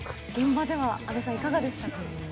現場では阿部さん、いかがでしたか？